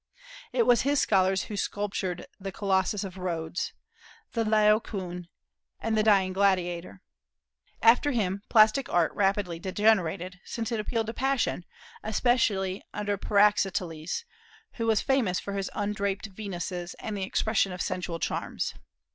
It was his scholars who sculptured the Colossus of Rhodes, the Laocoön, and the Dying Gladiator. After him plastic art rapidly degenerated, since it appealed to passion, especially under Praxiteles, who was famous for his undraped Venuses and the expression of sensual charms.